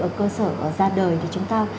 ở cơ sở ra đời thì chúng ta